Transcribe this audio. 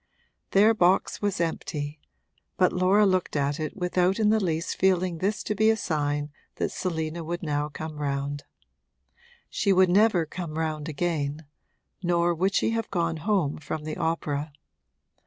Their box was empty, but Laura looked at it without in the least feeling this to be a sign that Selina would now come round. She would never come round again, nor would she have gone home from the opera.